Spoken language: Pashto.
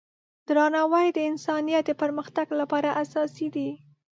درناوی د انسانیت د پرمختګ لپاره اساسي دی.